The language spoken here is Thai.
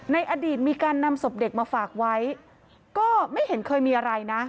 ในอดีตมีการนำศพเด็กมาฝากไว้ก็ไม่เห็นเคยมีอะไรนะ